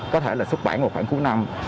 có thể là xuất bản vào khoảng cuối năm